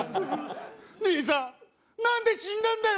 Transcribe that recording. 兄さんなんで死んだんだよ！